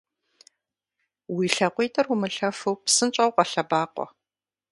Уи лъакъуитӏыр умылъэфу псынщӏэу къэлъэбакъуэ!